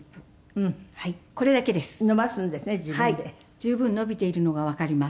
十分伸びているのがわかります。